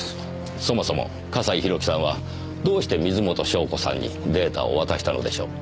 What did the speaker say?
そもそも笠井宏樹さんはどうして水元湘子さんにデータを渡したのでしょう？